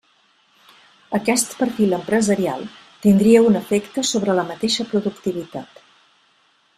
Aquest perfil empresarial tindria un efecte sobre la mateixa productivitat.